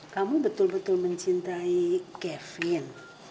kamu betul betul mencintai kevin